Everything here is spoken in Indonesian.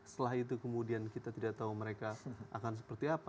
setelah itu kemudian kita tidak tahu mereka akan seperti apa